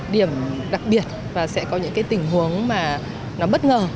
điểm đặc biệt và sẽ có những cái tình huống mà nó bất ngờ